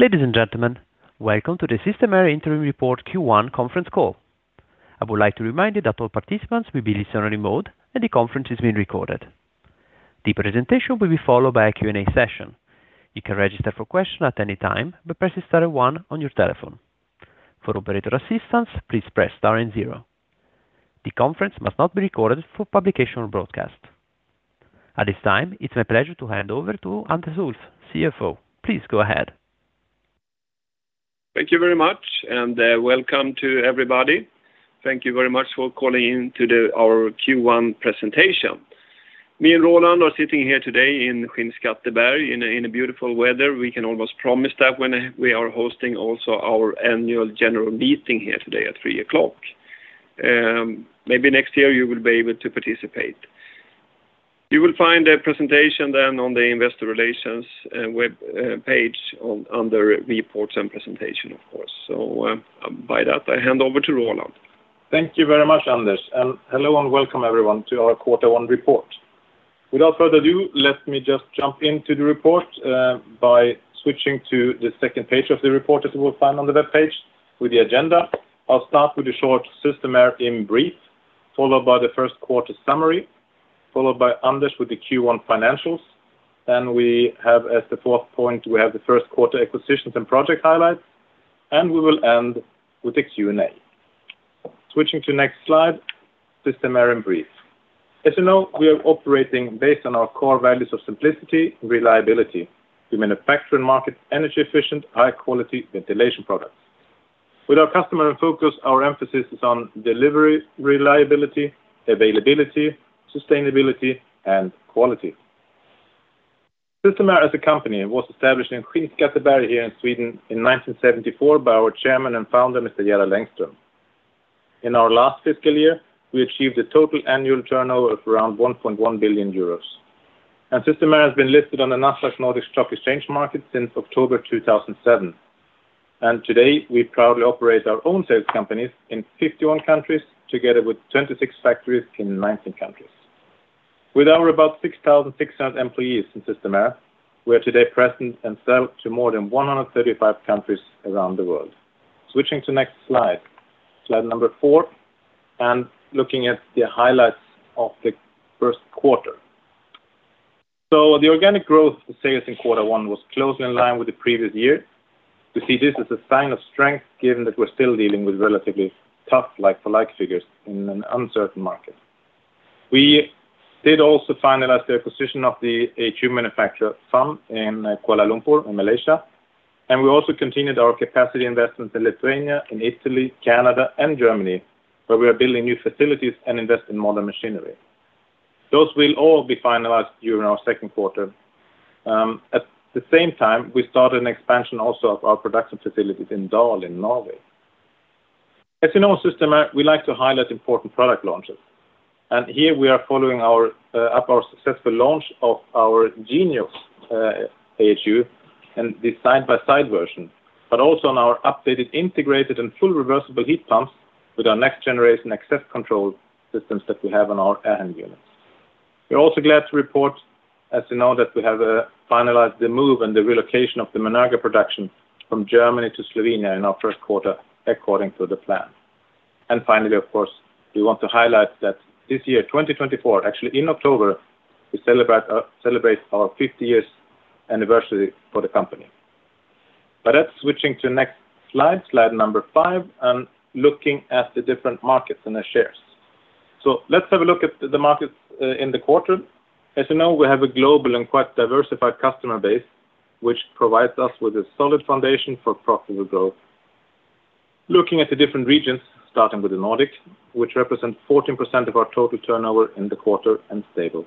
Ladies and gentlemen, welcome to the Systemair Interim Report Q1 Conference Call. I would like to remind you that all participants will be in listening mode and the conference is being recorded. The presentation will be followed by a Q&A session. You can register for questions at any time by pressing star one on your telephone. For operator assistance, please press star zero. The conference must not be recorded for publication or broadcast. At this time, it's my pleasure to hand over to Anders Ulff, CFO. Please go ahead. Thank you very much, and welcome to everybody. Thank you very much for calling in to our Q1 presentation. Me and Roland are sitting here today in Skinnskatteberg in beautiful weather. We can almost promise that when we are hosting also our annual general meeting here today at 3:00 P.M. Maybe next year you will be able to participate. You will find a presentation then on the investor relations web page under Reports and Presentation, of course. So, by that, I hand over to Roland. Thank you very much, Anders, and hello, and welcome everyone to our Quarter One report. Without further ado, let me just jump into the report, by switching to the second page of the report, as you will find on the webpage with the agenda. I'll start with a short Systemair in brief, followed by the first quarter summary, followed by Anders with the Q1 financials. Then we have, as the fourth point, we have the first quarter acquisitions and project highlights, and we will end with a Q&A. Switching to next slide, Systemair in brief. As you know, we are operating based on our core values of simplicity and reliability. We manufacture and market energy-efficient, high-quality ventilation products. With our customer in focus, our emphasis is on delivery, reliability, availability, sustainability, and quality. Systemair as a company was established in Skinnskatteberg here in Sweden in 1974 by our chairman and founder, Mr. Gerald Engström. In our last fiscal year, we achieved a total annual turnover of around 1.1 billion euros. And Systemair has been listed on the Nasdaq Nordic Stock Exchange market since October 2007, and today, we proudly operate our own sales companies in 51 countries, together with 26 factories in 19 countries. With about 6,600 employees in Systemair, we are today present and sell to more than 135 countries around the world. Switching to next slide, slide number four, and looking at the highlights of the first quarter. So the organic growth sales in quarter one was closely in line with the previous year. We see this as a sign of strength, given that we're still dealing with relatively tough like-for-like figures in an uncertain market. We did also finalize the acquisition of the AHU manufacturer, FAM, in Kuala Lumpur, in Malaysia, and we also continued our capacity investments in Lithuania, in Italy, Canada, and Germany, where we are building new facilities and invest in modern machinery. Those will all be finalized during our second quarter. At the same time, we started an expansion also of our production facilities in Dal in Norway. As you know, Systemair, we like to highlight important product launches, and here we are following up our successful launch of our Genius AHU and the side-by-side version, but also on our updated, integrated, and full reversible heat pumps with our next generation Access control systems that we have on our air handling units. We're also glad to report, as you know, that we have finalized the move and the relocation of the Menerga production from Germany to Slovenia in our first quarter, according to the plan, and finally, of course, we want to highlight that this year, 2024, actually, in October, we celebrate our 50-year anniversary for the company, but that's switching to next slide, slide number 5, and looking at the different markets and their shares, so let's have a look at the markets in the quarter. As you know, we have a global and quite diversified customer base, which provides us with a solid foundation for profitable growth. Looking at the different regions, starting with the Nordics, which represent 14% of our total turnover in the quarter and stable.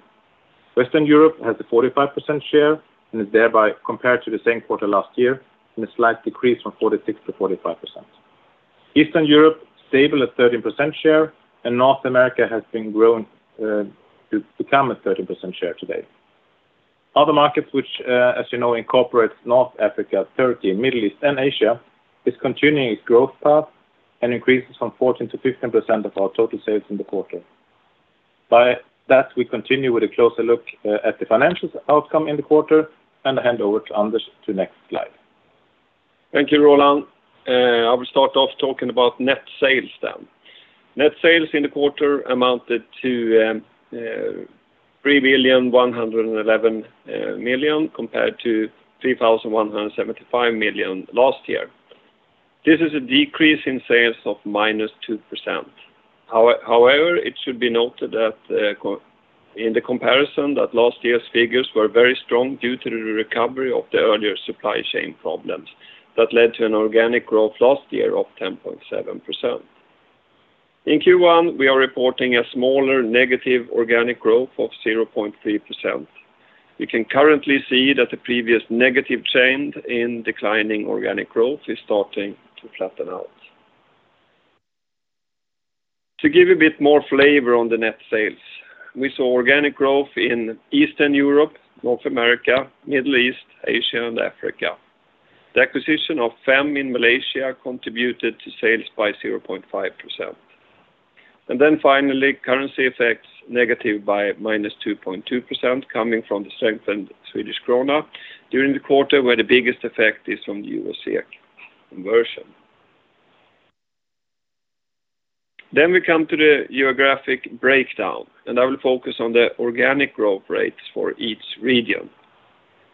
Western Europe has a 45% share and is thereby compared to the same quarter last year, and a slight decrease from 46% to 45%. Eastern Europe, stable at 13% share, and North America has been grown to become a 13% share today. Other markets which, as you know, incorporates North Africa, Turkey, Middle East, and Asia, is continuing its growth path and increases from 14% to 15% of our total sales in the quarter. By that, we continue with a closer look at the financial outcome in the quarter, and I hand over to Anders to next slide. Thank you, Roland. I will start off talking about net sales then. Net sales in the quarter amounted to 3,111 million, compared to 3,175 million last year. This is a decrease in sales of -2%. However, it should be noted that in the comparison, that last year's figures were very strong due to the recovery of the earlier supply chain problems that led to an organic growth last year of 10.7%. In Q1, we are reporting a smaller negative organic growth of 0.3%. We can currently see that the previous negative trend in declining organic growth is starting to flatten out. To give a bit more flavor on the net sales, we saw organic growth in Eastern Europe, North America, Middle East, Asia, and Africa. The acquisition of FAM in Malaysia contributed to sales by 0.5%. Then finally, currency effects negative by -2.2%, coming from the strengthened Swedish krona during the quarter, where the biggest effect is from the U.S. SEK conversion. We come to the geographic breakdown, and I will focus on the organic growth rates for each region.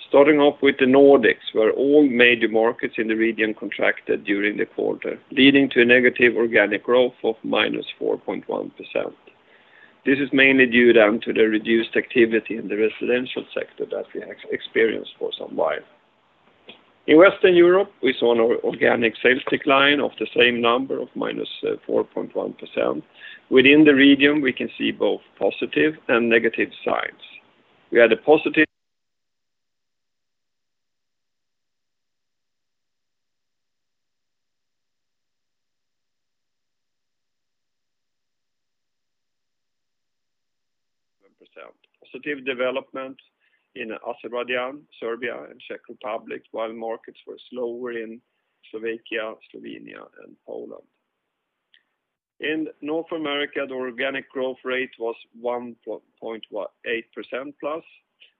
Starting off with the Nordics, where all major markets in the region contracted during the quarter, leading to a negative organic growth of -4.1%. This is mainly due to the reduced activity in the residential sector that we have experienced for some while. In Western Europe, we saw an organic sales decline of the same number of -4.1%. Within the region, we can see both positive and negative signs. We had a positive percent, positive development in Azerbaijan, Serbia, and Czech Republic, while markets were slower in Slovakia, Slovenia, and Poland. In North America, the organic growth rate was 1.8%+,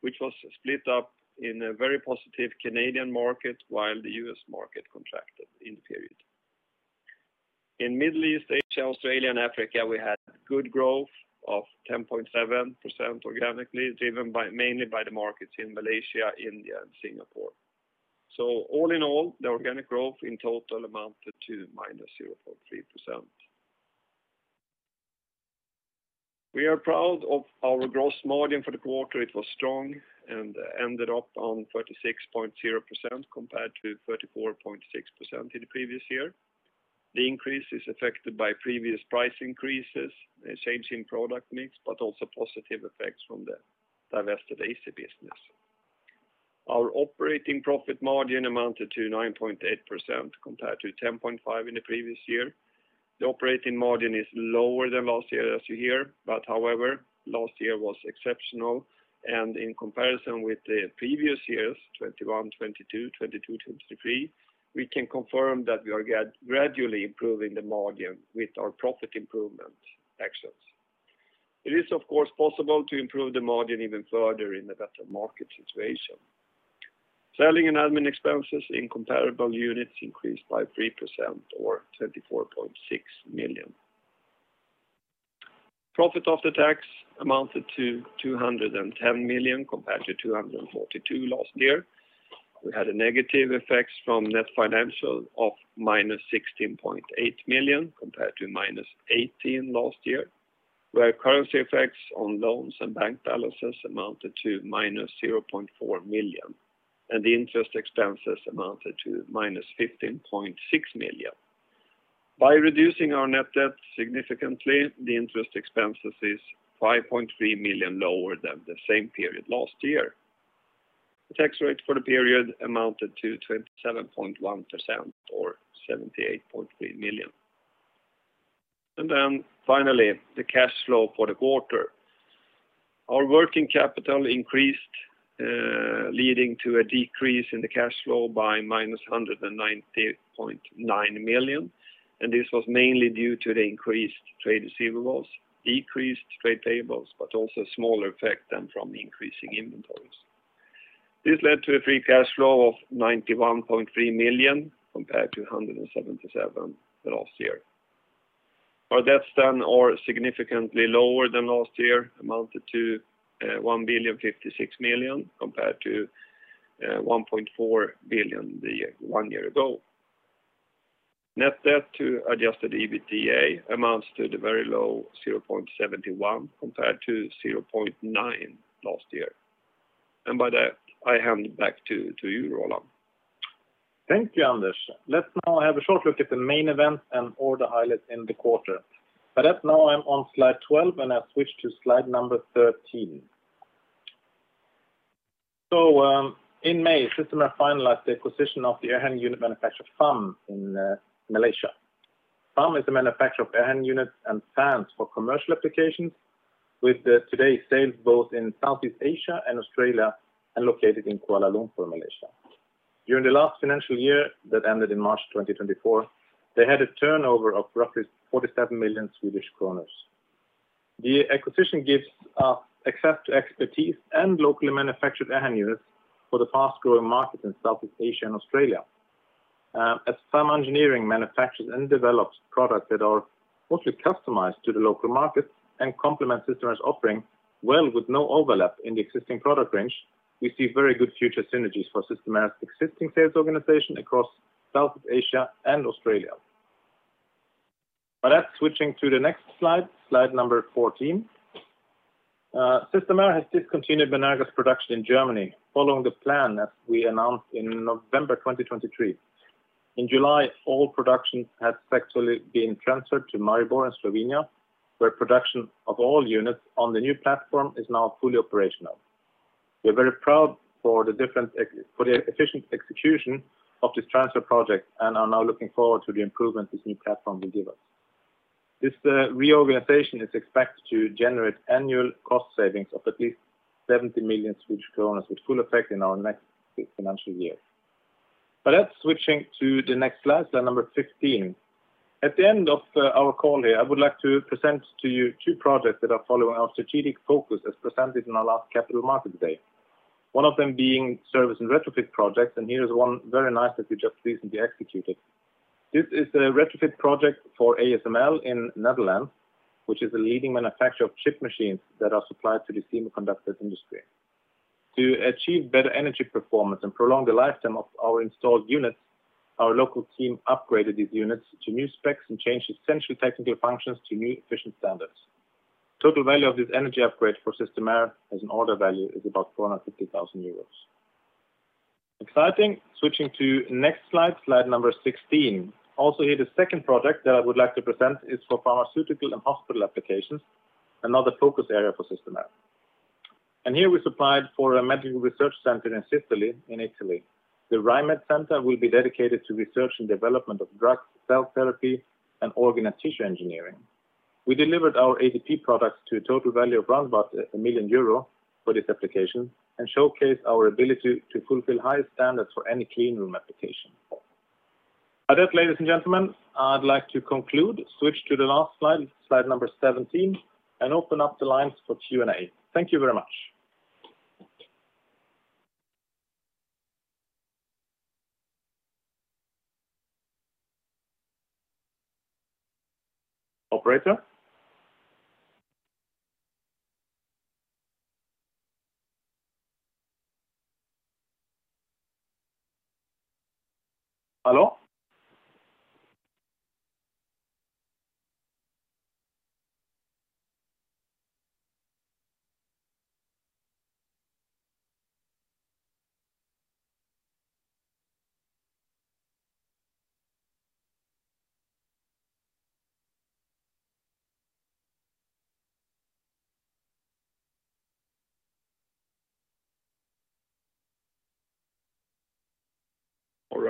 which was split up in a very positive Canadian market, while the U.S. market contracted in the period. In Middle East, Asia, Australia, and Africa, we had good growth of 10.7% organically, driven by, mainly by the markets in Malaysia, India, and Singapore. So all in all, the organic growth in total amounted to -0.3%. We are proud of our gross margin for the quarter. It was strong and ended up on 36.0%, compared to 34.6% in the previous year. The increase is affected by previous price increases, a change in product mix, but also positive effects from the divested AC business. Our operating profit margin amounted to 9.8%, compared to 10.5% in the previous year. The operating margin is lower than last year, as you hear, but however, last year was exceptional, and in comparison with the previous years, 2021, 2022, 2022 to 2023, we can confirm that we are gradually improving the margin with our profit improvement actions. It is, of course, possible to improve the margin even further in a better market situation. Selling and admin expenses in comparable units increased by 3% or 34.6 million. Profit after tax amounted to 210 million, compared to 242 million last year. We had a negative effect from net financial of -16.8 million, compared to -18 million last year, where currency effects on loans and bank balances amounted to -0.4 million, and the interest expenses amounted to -15.6 million. By reducing our net debt significantly, the interest expenses is 5.3 million lower than the same period last year. The tax rate for the period amounted to 27.1%, or 78.3 million. And then finally, the cash flow for the quarter. Our working capital increased, leading to a decrease in the cash flow by -190.9 million, and this was mainly due to the increased trade receivables, decreased trade payables, but also a smaller effect than from increasing inventories. This led to a free cash flow of 91.3 million, compared to 177 million last year. Our debts then are significantly lower than last year, amounted to 1,056 million, compared to 1.4 billion one year ago. Net debt to adjusted EBITDA amounts to the very low 0.71, compared to 0.9 last year. By that, I hand back to you, Roland. Thank you, Anders. Let's now have a short look at the main events and order highlights in the quarter. But as now, I'm on slide 12, and I switch to slide number 13. So, in May, Systemair finalized the acquisition of the air handling unit manufacturer, FAM, in Malaysia. FAM is a manufacturer of air handling units and fans for commercial applications, with today's sales both in Southeast Asia and Australia, and located in Kuala Lumpur, Malaysia. During the last financial year, that ended in March 2024, they had a turnover of roughly 47 million Swedish kronor. The acquisition gives us Access to expertise and locally manufactured air handling units for the fast-growing market in Southeast Asia and Australia. As FAM Engineering manufactures and develops products that are mostly customized to the local market and complement Systemair's offering, well, with no overlap in the existing product range, we see very good future synergies for Systemair's existing sales organization across South Asia and Australia. Switching to the next slide, slide number 14. Systemair has discontinued Menerga's production in Germany, following the plan, as we announced in November 2023. In July, all production has successfully been transferred to Maribor in Slovenia, where production of all units on the new platform is now fully operational. We are very proud for the efficient execution of this transfer project, and are now looking forward to the improvement this new platform will give us. This reorganization is expected to generate annual cost savings of at least 70 million Swedish kronor, with full effect in our next financial year. But that's switching to the next slide, slide number 15. At the end of our call here, I would like to present to you two projects that are following our strategic focus as presented in our last Capital Market Day. One of them being service and retrofit projects, and here is one very nice that we just recently executed. This is a retrofit project for ASML in the Netherlands, which is a leading manufacturer of chip machines that are supplied to the semiconductors industry. To achieve better energy performance and prolong the lifetime of our installed units, our local team upgraded these units to new specs and changed essentially technical functions to new efficient standards. Total value of this energy upgrade for Systemair as an order value is about 450,000 euros. Exciting! Switching to next slide, slide number 16. Also here, the second project that I would like to present is for pharmaceutical and hospital applications, another focus area for Systemair, and here we supplied for a medical research center in Sicily, in Italy. The Ri.MED Center will be dedicated to research and development of drugs, cell therapy, and organ and tissue engineering. We delivered our ADP products to a total value of round about 1 million euro for this application, and showcased our ability to fulfill high standards for any clean room application. With that, ladies and gentlemen, I'd like to conclude, switch to the last slide, slide number 17, and open up the lines for Q&A. Thank you very much. Operator?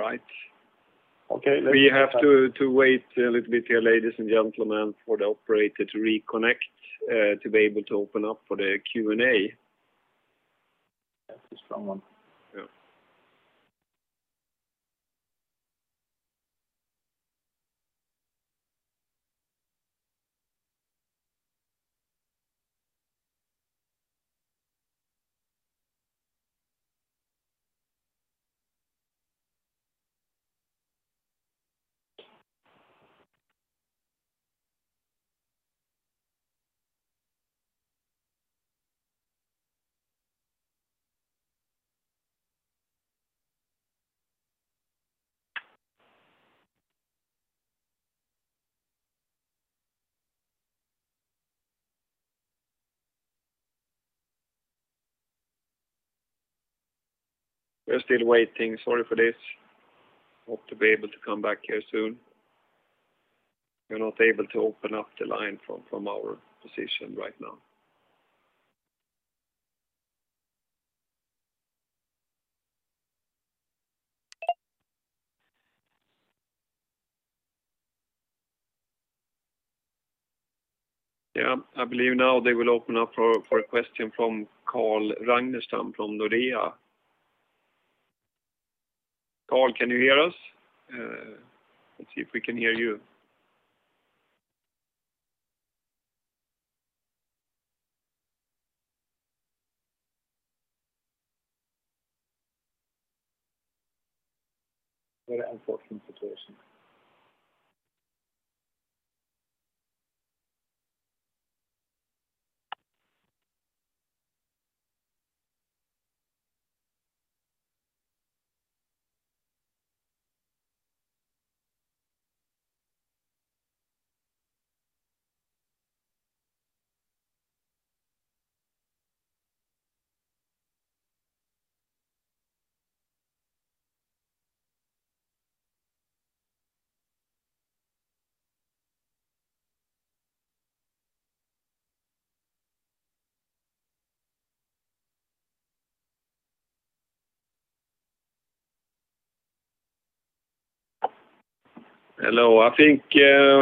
Hello? All right. Okay, we have to wait a little bit here, ladies and gentlemen, for the operator to reconnect to be able to open up for the Q&A. That's a strong one. Yeah. We're still waiting. Sorry for this. Hope to be able to come back here soon. We're not able to open up the line from our position right now. Yeah, I believe now they will open up for a question from Carl Ragnerstam from Nordea. Carl, can you hear us? Let's see if we can hear you. Very unfortunate situation. Hello, I think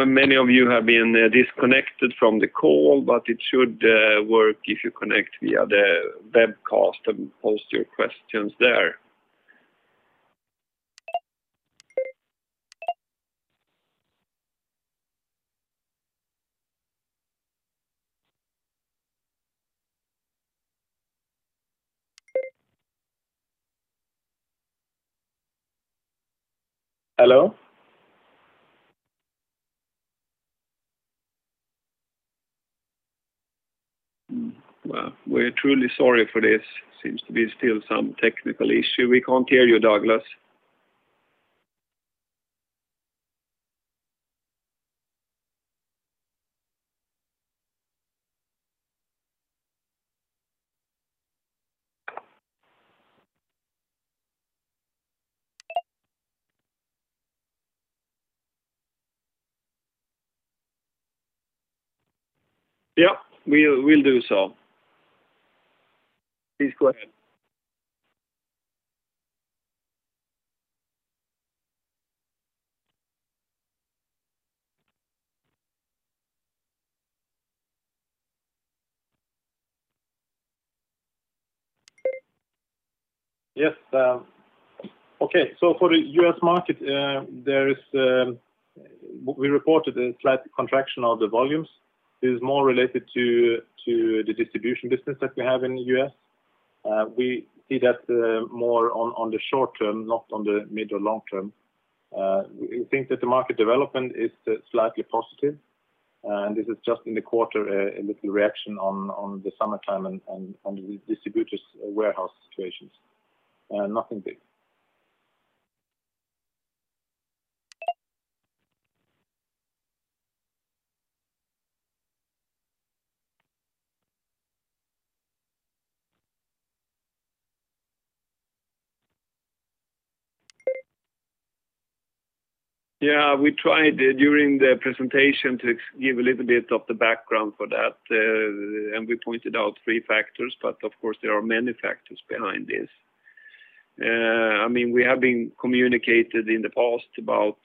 many of you have been disconnected from the call, but it should work if you connect via the webcast and post your questions there. Hello? Well, we're truly sorry for this. Seems to be still some technical issue. We can't hear you, Douglas. Yep, we'll do so. Please go ahead. Yes, okay, so for the U.S. market, there is, we reported a slight contraction of the volumes. This is more related to the distribution business that we have in the U.S.. We see that more on the short term, not on the mid or long term. We think that the market development is slightly positive, and this is just in the quarter, a little reaction on the summertime and the distributors' warehouse situations, nothing big. Yeah, we tried during the presentation to give a little bit of the background for that, and we pointed out three factors, but of course, there are many factors behind this. I mean, we have been communicated in the past about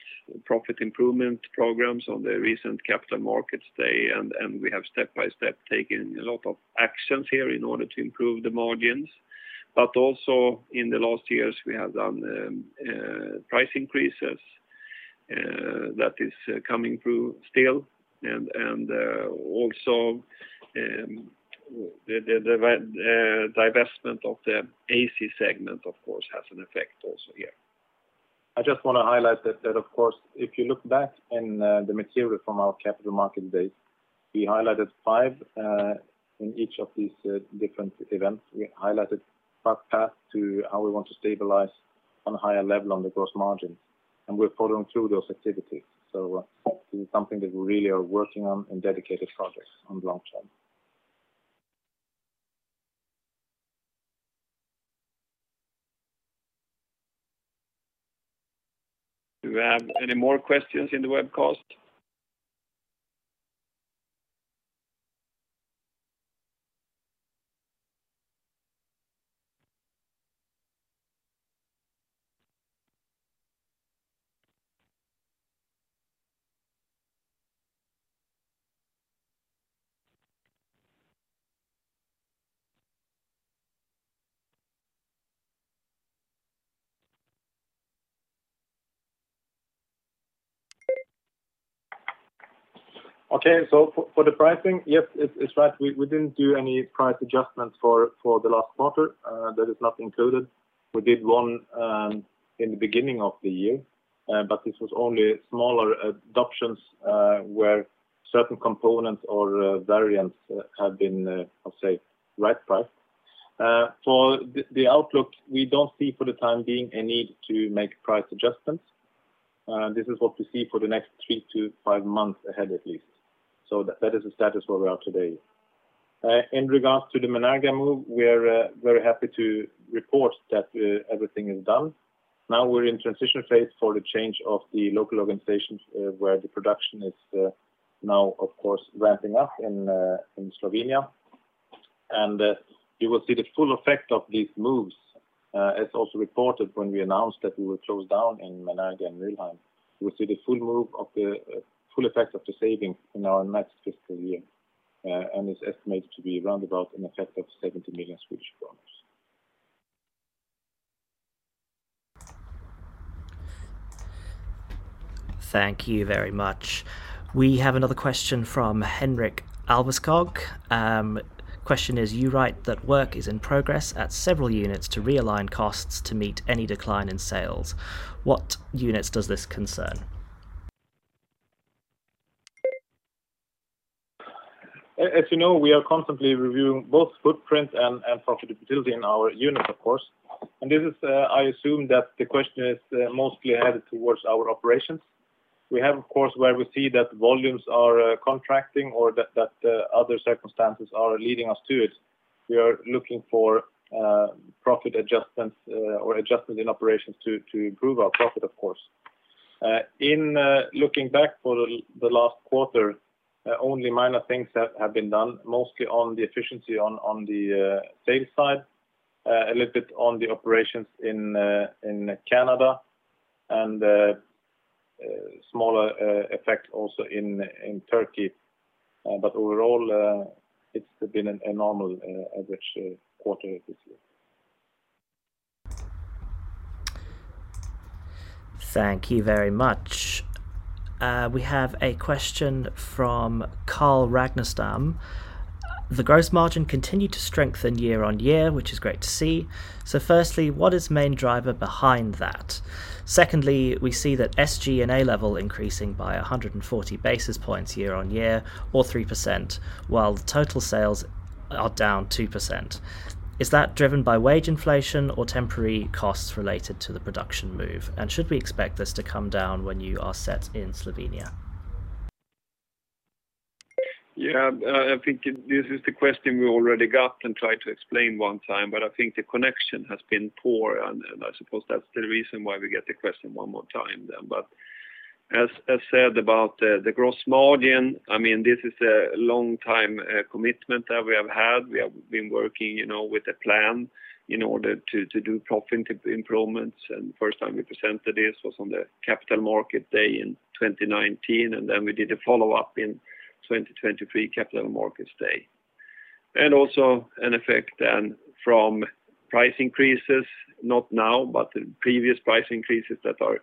profit improvement programs on the recent Capital Market Day, and we have step by step taken a lot of actions here in order to improve the margins, but also in the last years, we have done price increases that is coming through still, and also the divestment of the AC segment, of course, has an effect also here. I just want to highlight that, of course, if you look back in the material from our Capital Market Day, we highlighted five in each of these different events. We highlighted path to how we want to stabilize on a higher level on the gross margin, and we're following through those activities. So this is something that we really are working on in dedicated projects on the long term. Do you have any more questions in the webcast? Okay, so for the pricing, yes, it's right. We didn't do any price adjustments for the last quarter. That is not included. We did one in the beginning of the year, but this was only smaller adoptions, where certain components or variants have been, I'll say, right priced. For the outlook, we don't see for the time being a need to make price adjustments. This is what we see for the next three to five months ahead, at least. So that is the status where we are today. In regards to the Menerga move, we are very happy to report that everything is done. Now we're in transition phase for the change of the local organizations, where the production is now, of course, ramping up in Slovenia. You will see the full effect of these moves, as also reported when we announced that we will close down in Menerga and Mülheim. We'll see the full effect of the savings in our next fiscal year, and it's estimated to be around about an effect of 70 million Swedish kronor. Thank you very much. We have another question from Henrik Alveskog. Question is, you write that work is in progress at several units to realign costs to meet any decline in sales. What units does this concern? As you know, we are constantly reviewing both footprint and profitability in our units, of course, and this is. I assume that the question is mostly headed towards our operations. We have, of course, where we see that volumes are contracting or that other circumstances are leading us to it. We are looking for profit adjustments or adjustments in operations to improve our profit, of course. In looking back for the last quarter, only minor things have been done, mostly on the efficiency on the sales side, a little bit on the operations in Canada, and smaller effect also in Turkey, but overall, it's been a normal average quarter this year. Thank you very much. We have a question from Carl Ragnerstam. The gross margin continued to strengthen year on year, which is great to see. So firstly, what is main driver behind that? Secondly, we see that SG&A level increasing by 140 basis points year on year, or 3%, while the total sales are down 2%. Is that driven by wage inflation or temporary costs related to the production move? And should we expect this to come down when you are set in Slovenia? Yeah, I think this is the question we already got and tried to explain one time, but I think the connection has been poor, and I suppose that's the reason why we get the question one more time then. But as said about the gross margin, I mean, this is a long time commitment that we have had. We have been working, you know, with a plan in order to do profit improvements, and first time we presented this was on the Capital Market Day in twenty nineteen, and then we did a follow-up in 2023 Capital Markets Day and also an effect then from price increases, not now, but the previous price increases that are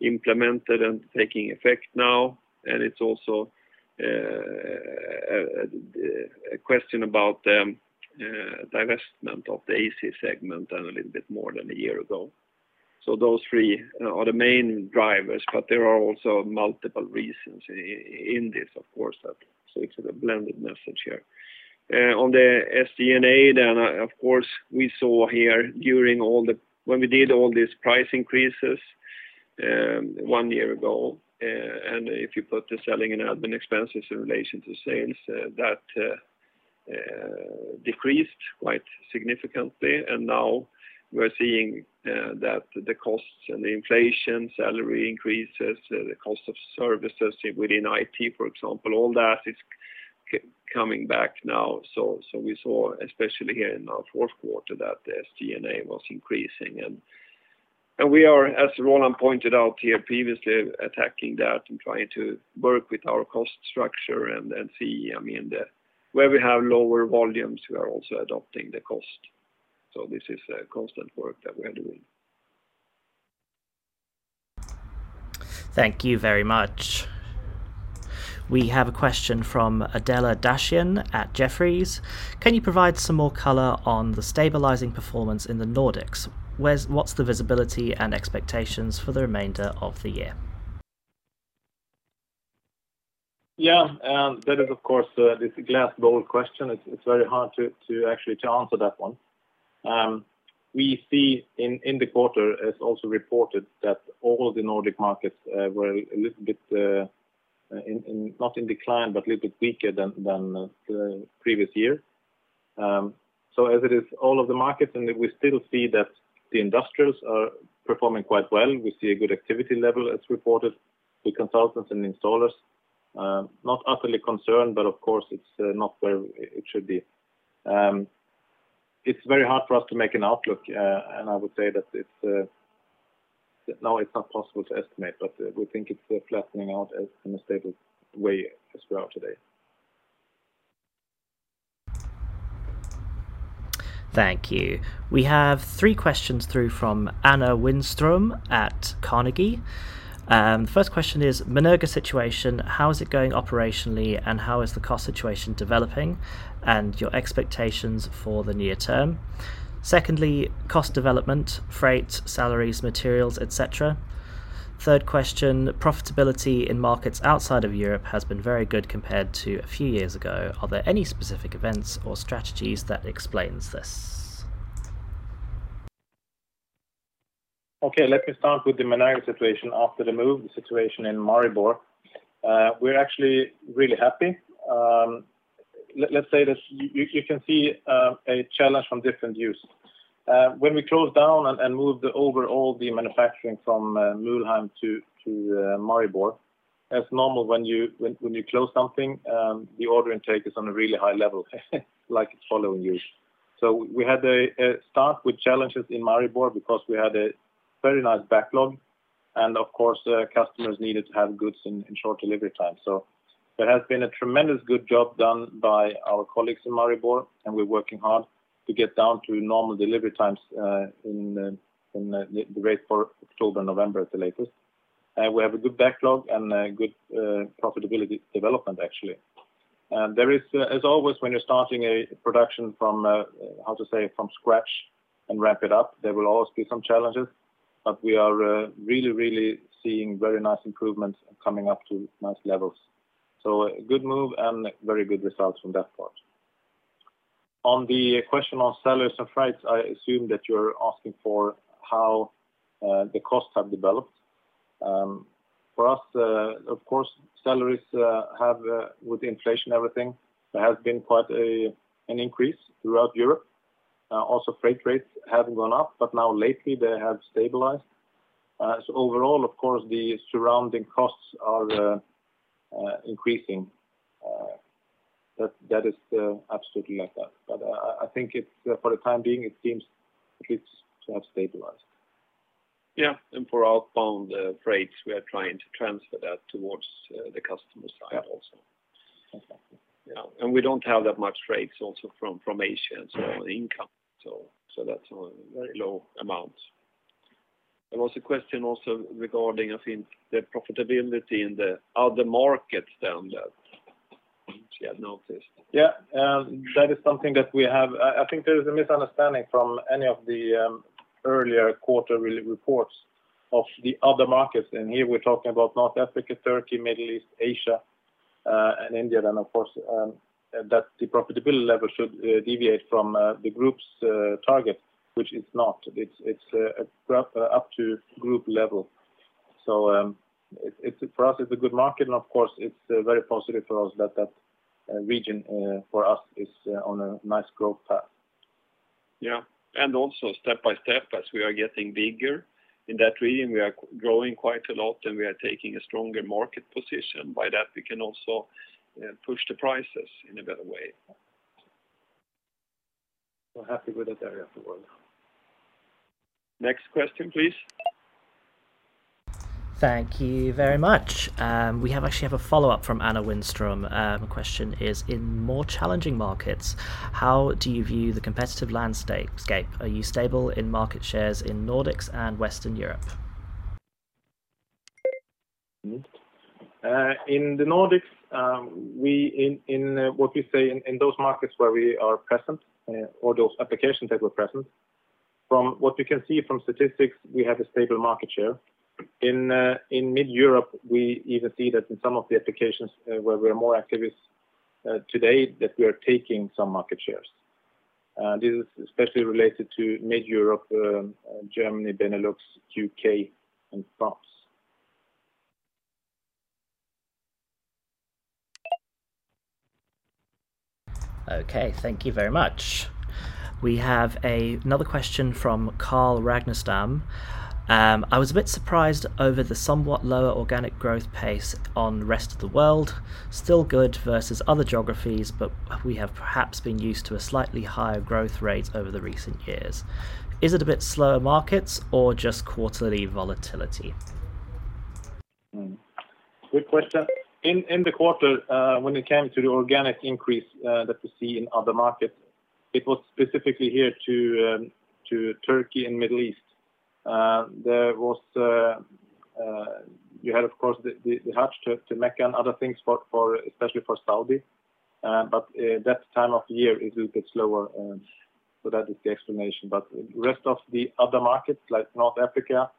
implemented and taking effect now. It's also a question about divestment of the AC segment and a little bit more than a year ago. Those three are the main drivers, but there are also multiple reasons in this, of course, so it's a blended message here. On the SG&A, then, of course, we saw when we did all these price increases one year ago, and if you put the selling and admin expenses in relation to sales, that decreased quite significantly. Now we're seeing that the costs and the inflation, salary increases, the cost of services within IT, for example, all that is coming back now. We saw, especially here in our fourth quarter, that the SG&A was increasing. We are, as Roland pointed out here previously, attacking that and trying to work with our cost structure and see. I mean, then where we have lower volumes, we are also adapting the cost. So this is a constant work that we are doing. Thank you very much. We have a question from Adela Dashian at Jefferies. Can you provide some more color on the stabilizing performance in the Nordics? What's the visibility and expectations for the remainder of the year? Yeah, that is, of course, this crystal ball question. It's very hard to actually answer that one. We see in the quarter, as also reported, that all the Nordic markets were a little bit not in decline, but a little bit weaker than the previous year. So as it is, all of the markets, and we still see that the industrials are performing quite well. We see a good activity level as reported, the consultants and installers. Not utterly concerned, but of course, it's not where it should be. It's very hard for us to make an outlook, and I would say that it's now not possible to estimate, but we think it's flattening out as in a stable way as we are today. Thank you. We have three questions through from Anna Wallström at Carnegie. First question is, Menerga situation, how is it going operationally, and how is the cost situation developing, and your expectations for the near term? Secondly, cost development, freight, salaries, materials, et cetera. Third question, profitability in markets outside of Europe has been very good compared to a few years ago. Are there any specific events or strategies that explains this? Okay, let me start with the Menerga situation. After the move, the situation in Maribor, we're actually really happy. Let's say this, you can see a challenge from different views. When we closed down and moved over all the manufacturing from Mülheim to Maribor, as normal, when you close something, the order intake is on a really high level, like it's following you. So we had a start with challenges in Maribor because we had a very nice backlog, and of course, customers needed to have goods in short delivery time. So there has been a tremendous good job done by our colleagues in Maribor, and we're working hard to get down to normal delivery times in the rate for October, November at the latest. We have a good backlog and a good profitability development, actually, and there is, as always, when you're starting a production from how to say, from scratch and ramp it up, there will always be some challenges, but we are really, really seeing very nice improvements coming up to nice levels, so a good move and very good results from that part. On the question on salaries and freights, I assume that you're asking for how the costs have developed. For us, of course, salaries have, with inflation, everything, there has been quite an increase throughout Europe. Also, freight rates have gone up, but now lately, they have stabilized. So overall, of course, the surrounding costs are increasing. That is absolutely like that. But I think it's, for the time being, it seems to have stabilized. Yeah, and for outbound freights, we are trying to transfer that towards the customer side also. Yeah. Yeah, and we don't have that much freights also from Asia, so income, so that's a very low amount. There was a question also regarding, I think, the profitability in the other markets down there. Yeah, noticed. Yeah, that is something that we have. I think there is a misunderstanding from any of the earlier quarter reports of the other markets, and here we're talking about North Africa, Turkey, Middle East, Asia, and India, then of course, that the profitability level should deviate from the group's target, which is not. It's up to group level. So, it for us, it's a good market, and of course, it's very positive for us that that region for us is on a nice growth path. Yeah, and also step by step, as we are getting bigger in that region, we are growing quite a lot, and we are taking a stronger market position. By that, we can also push the prices in a better way. We're happy with that area of the world. Next question, please. Thank you very much. We actually have a follow-up from Anna Wallström. The question is: In more challenging markets, how do you view the competitive landscape? Are you stable in market shares in Nordics and Western Europe? In the Nordics, in those markets where we are present or those applications that we're present, from what we can see from statistics, we have a stable market share. In mid-Europe, we even see that in some of the applications where we're more active today, that we are taking some market shares. This is especially related to mid-Europe, Germany, Benelux, UK and France. Okay, thank you very much. We have another question from Carl Ragnerstam. I was a bit surprised over the somewhat lower organic growth pace on the rest of the world. Still good versus other geographies, but we have perhaps been used to a slightly higher growth rate over the recent years. Is it a bit slower markets or just quarterly volatility? Hmm. Good question. In the quarter, when it came to the organic increase that we see in other markets, it was specifically in Turkey and Middle East. There was you had, of course, the Hajj to Mecca and other things for especially for Saudi. But that time of the year is a little bit slower, and so that is the explanation. But the rest of the other markets, like North Africa,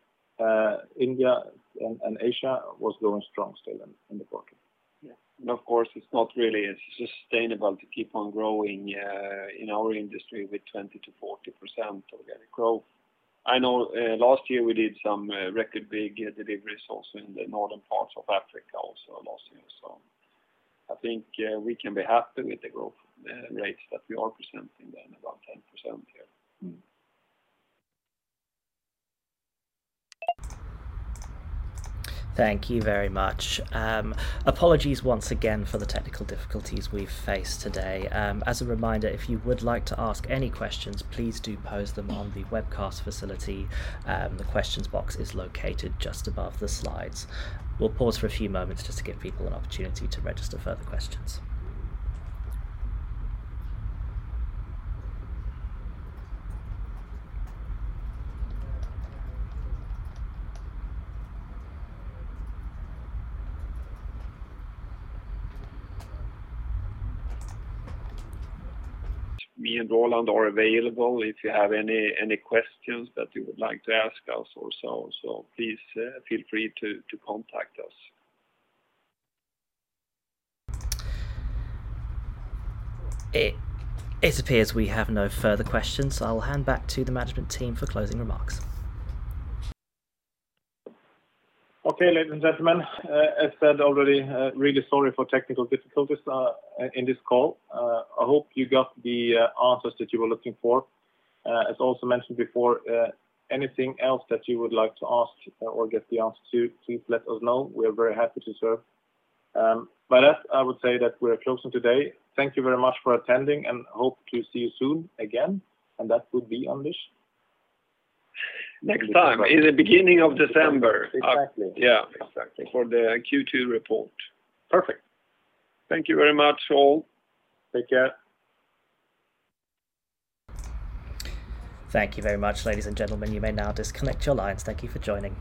India and Asia, was going strong still in the quarter. Yeah. And of course, it's not really sustainable to keep on growing in our industry with 20%-40% organic growth. I know, last year we did some record big deliveries also in the northern parts of Africa, also last year. So I think, we can be happy with the growth rates that we are presenting then, about 10% here. Mm-hmm. Thank you very much. Apologies once again for the technical difficulties we've faced today. As a reminder, if you would like to ask any questions, please do pose them on the webcast facility. The questions box is located just above the slides. We'll pause for a few moments just to give people an opportunity to register further questions. Me and Roland are available if you have any questions that you would like to ask us or so. So please, feel free to contact us. It appears we have no further questions, so I'll hand back to the management team for closing remarks. Okay, ladies and gentlemen, as said already, really sorry for technical difficulties in this call. I hope you got the answers that you were looking for. As also mentioned before, anything else that you would like to ask or get the answer to, please let us know. We are very happy to serve. By that, I would say that we are closing today. Thank you very much for attending, and hope to see you soon again, and that will be on this- Next time, in the beginning of December. Exactly. Yeah. Exactly. For the Q2 report. Perfect. Thank you very much, all. Take care. Thank you very much, ladies and gentlemen. You may now disconnect your lines. Thank you for joining.